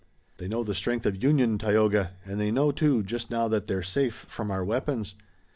"They know the strength of union, Tayoga, and they know, too, just now that they're safe from our weapons.